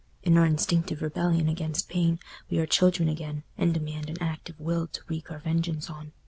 In our instinctive rebellion against pain, we are children again, and demand an active will to wreak our vengeance on.